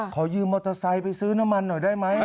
ขอยืมมอเตอร์ไซค์ไปซื้อน้ำมันหน่อยได้ไหม